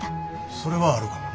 それはあるかもな。